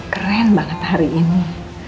keren banget hari ini